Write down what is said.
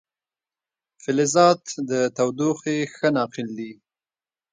فلزات د تودوخې ښه ناقل دي.